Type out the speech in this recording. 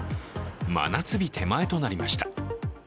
真夏日手前となりました。